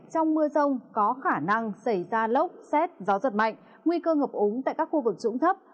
trong mưa rông có khả năng xảy ra lốc xét gió giật mạnh nguy cơ ngập úng tại các khu vực trũng thấp